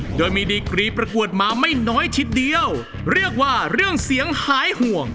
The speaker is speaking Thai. โดยมีดีกรีประกวดมาไม่น้อยชิดเดียวเรียกว่าเรื่องเสียงหายห่วง